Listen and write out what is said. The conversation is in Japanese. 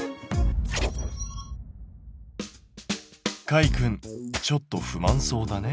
かいくんちょっと不満そうだね。